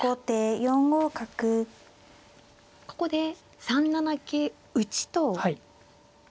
ここで３七桂打と。